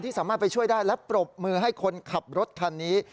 สามารถไปช่วยได้และปรบมือให้คนขับรถคันนี้